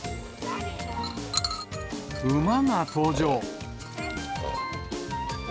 馬が登場。